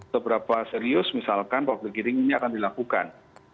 seberapa serius misalkan public hearing ini akan dilakukan